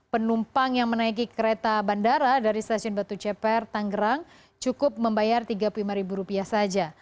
penumpang yang menaiki kereta bandara dari stasiun batu ceper tanggerang cukup membayar rp tiga puluh lima saja